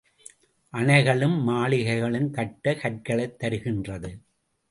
அணைகளும் மாளிகைகளும் கட்ட கற்களைத் தருகின்றது.